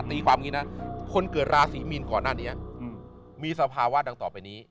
ตีความอย่างนี้นะคนเกิดราศีมีนก่อนหน้านี้มีสภาวะดังต่อไปนี้